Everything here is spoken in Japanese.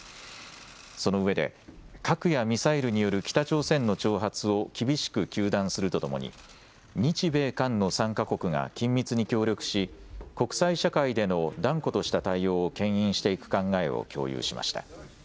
そのうえで核やミサイルによる北朝鮮の挑発を厳しく糾弾するとともに日米韓の３か国が緊密に協力し国際社会での断固とした対応をけん引していく考えを共有しました。